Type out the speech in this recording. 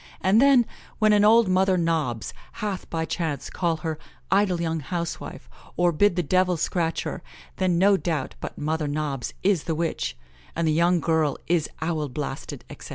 And then, when an old Mother Nobs hath by chance called her 'idle young housewife,' or bid the devil scratch her, then no doubt but Mother Nobs is the witch, and the young girl is owl blasted, etc.